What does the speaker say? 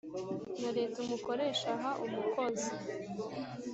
Na leta umukoresha aha umukozi